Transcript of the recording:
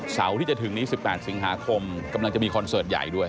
เสาร์ที่จะถึงนี้๑๘สิงหาคมกำลังจะมีคอนเสิร์ตใหญ่ด้วย